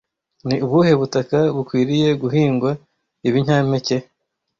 Ni ubuhe butaka bukwiriye guhingwa ibinyampeke